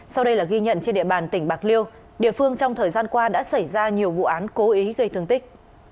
sau đây là ghi nhận trên địa bàn tỉnh bạc liêu địa phương trong thời gian qua đã xảy ra nhiều vụ án cố ý gây thương tích